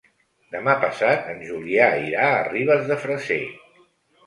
Demà passat en Julià irà a Ribes de Freser.